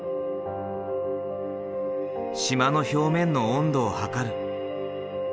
島の表面の温度を測る。